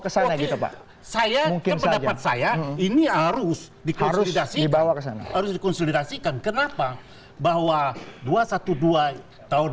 saya ini harus dikonsolidasi di bawah kesana harus konsolidasikan kenapa bahwa dua ratus dua belas tahun